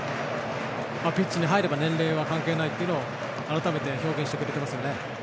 ピッチに入れば年齢は関係ないと改めて表現してくれていますね。